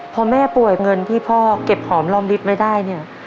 พอแม่ป่วยเงินที่พ่อเก็บหอมรอมลิฟต์ไม่ได้เนี่ย